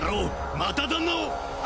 また旦那を。